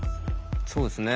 そうですね。